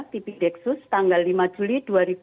tipi dexus tanggal lima juli dua ribu dua puluh dua